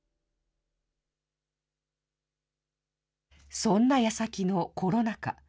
そんなやさきのコロナ禍。